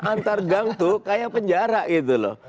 antargang tuh kayak penjara gitu loh